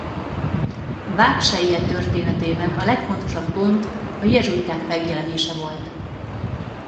Vágsellye történetében a legfontosabb pont a jezsuiták megjelenése volt.